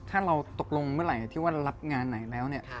ถ้าเราตกลงเมื่อไหร่ที่ว่ารับงานไหนแล้วเนี่ย